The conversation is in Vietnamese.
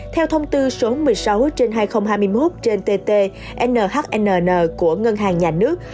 theo thông tư số một mươi sáu trên hai nghìn hai mươi một trên tt nhnn của ngân hàng nhà nước